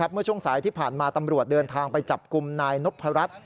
เมื่อช่วงสายที่ผ่านมาตำรวจเดินทางไปจับกลุ่มนายนพรัช